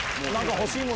欲しいもの。